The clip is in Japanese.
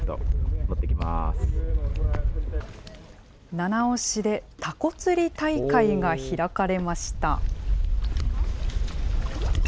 七尾市でタコ釣り大会が開かれました。